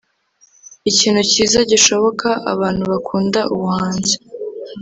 Ikintu cyiza gishoboka abantu bakunda ubuhanzi